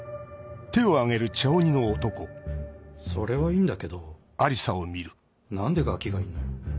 それはいいんだけど何でガキがいんのよ。